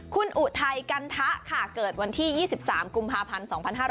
คุณอุทัยกันทะค่ะเกิดวันที่๒๓กุมภาพันธ์๒๕๕๙